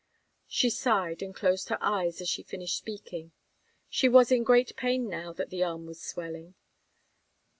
She sighed and closed her eyes, as she finished speaking. She was in great pain now that the arm was swelling.